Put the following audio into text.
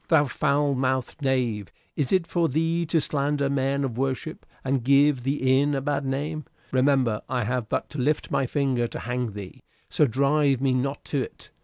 "Thou foul mouthed knave! Is it for thee to slander men of worship, and give the inn a bad name? Remember I have but to lift my finger to hang thee, so drive me not to't.